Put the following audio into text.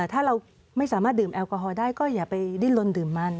ถ้าเราไม่สามารถดื่มแอลกอฮอลได้ก็อย่าไปดิ้นลนดื่มมัน